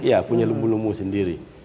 ya punya lumbu lumbung sendiri